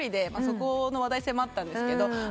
そこの話題性もあったんですけど。